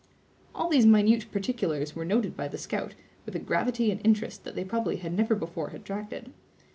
All these minute particulars were noted by the scout, with a gravity and interest that they probably had never before attracted.